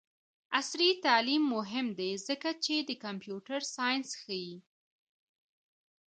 عصري تعلیم مهم دی ځکه چې د کمپیوټر ساینس ښيي.